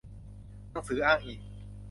หนังสืออ้างอิง